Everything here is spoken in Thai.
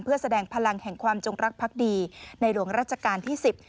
เพื่อแสดงพลังแห่งความจงรักพักดีในหลวงราชการที่๑๐